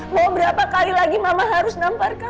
mau berapa kali lagi mama harus nampar kah